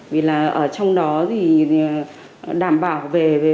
vì là ở trong đó thì đảm bảo về